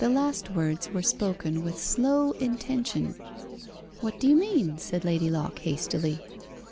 The last words were spoken with slow intention. "What do you mean?" said Lady Locke hastily.